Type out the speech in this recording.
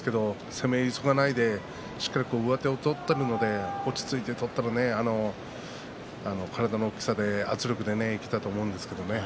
攻め急がないで、しっかりと上手を取っているので落ち着いて取ったら体の大きさで圧力でいけたと思うんですけどね。